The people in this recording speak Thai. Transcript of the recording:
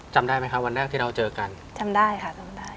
จำได้ไหมครับวันแรกที่เราเจอกันจำได้ค่ะจำได้